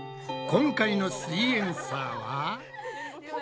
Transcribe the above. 今回の「すイエんサー」は？